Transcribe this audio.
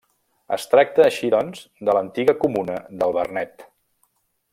Es tracta, així, doncs, de l'antiga comuna del Vernet.